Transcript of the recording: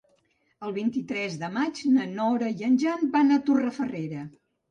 El vint-i-tres de maig na Nora i en Jan van a Torrefarrera.